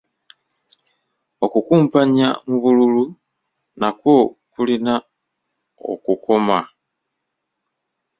Okukumpanya mu bululu nakwo kulina okukoma.